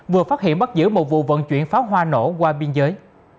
vừa phát hiện bắt giữ một vụ vận chuyển pháo hoa nổ qua biên giới